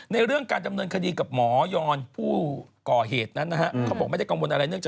ในเรื่องการจำนวนคดีกับหมอยร์ผู้ก่อเหตุนั้นนะฮะ